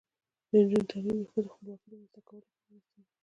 د نجونو تعلیم د ښځو خپلواکۍ رامنځته کولو مرسته ده.